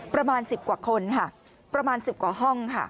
ประมาณ๑๐กว่าคนค่ะประมาณ๑๐กว่าห้องค่ะ